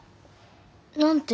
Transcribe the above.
何て？